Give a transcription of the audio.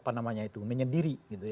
pdi perjuangan seolah olah menyendiri